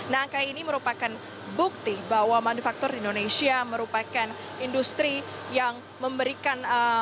nah angka ini merupakan bukti bahwa manufaktur di indonesia merupakan industri yang memberikan